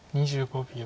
２５秒。